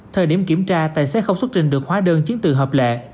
thời điểm kiểm tra tài xế không xuất trình được hóa đơn chiến từ hợp lệ